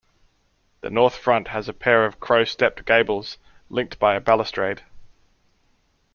The north front has a pair of crow-stepped gables, linked by a balustrade.